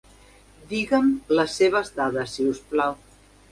Digue'm les seves dades, si us plau.